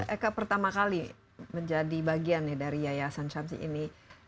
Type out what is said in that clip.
eka pertama kali menjadi bagian dari yayasan samsi ini